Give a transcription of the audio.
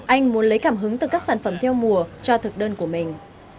anh muốn lấy cảm hứng từ các sản phẩm theo mùa cho thực đơn của mình